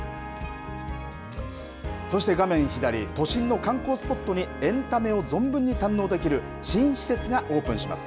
そして画面左都心の観光スポットにエンタメを存分に堪能できる新施設がオープンします。